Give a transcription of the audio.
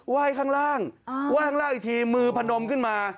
ว่ายข้างล่างอีกทีมือพะนมขึ้นมา